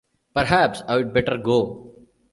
Perhaps I'd better go.